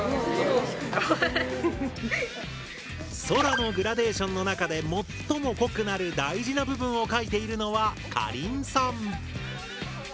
空のグラデーションの中で最も濃くなる大事な部分を描いているのはかりんさん。